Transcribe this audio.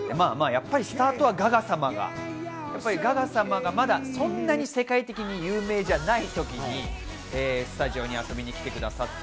やっぱりスタートはガガ様が、まだ、そんなに世界的に有名じゃない時にスタジオに遊びに来てくださって。